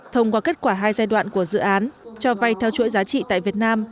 thông qua kết quả hai giai đoạn của dự án cho vay theo chuỗi giá trị tại việt nam